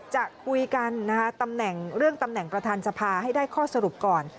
จะคุยกันเรื่องตำแหน่งประธานสภาให้ได้ข้อสรุปก่อน